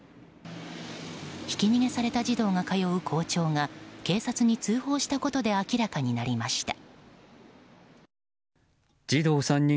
ひき逃げされた児童が通う校長が警察に通報したことで明らかになりました。